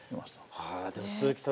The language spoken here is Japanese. はあでも鈴木さん